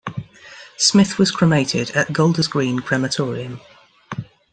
Smyth was cremated at Golders Green Crematorium.